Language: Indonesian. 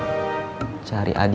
kenapa saya cari adi